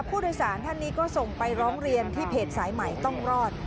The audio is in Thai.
ผู้โดยสารท่านนี้ก็ส่งไปร้องเรียนที่เพจสายใหม่ต้องรอด